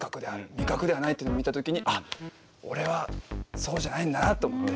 味覚ではない」っていうのを見たときにあっ俺はそうじゃないんだなと思って。